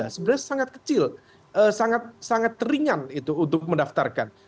sebenarnya sangat kecil sangat sangat ringan itu untuk mendaftarkan